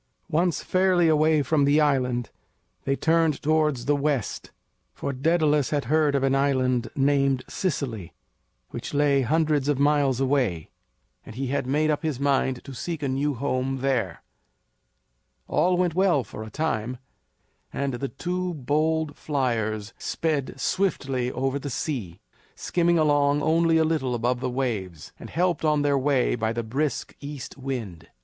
Once fairly away from the island, they turned towards the west, for Daedalus had heard of an island named Sicily, which lay hundreds of miles away, and he had made up his mind to seek a new home there. [Illustration: "HE FELT HIMSELF SINKING THROUGH THE AIR."] All went well for a time, and the two bold flyers sped swiftly over the sea, skimming along only a little above the waves, and helped on their way by the brisk east wind.